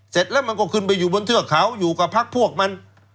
เสร็จแล้วมันก็ขึ้นไปอยู่บนเทือกเขาอยู่กับพักพวกมัน